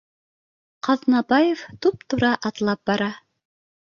Ҡаҙнабаев туп-тура атлап бара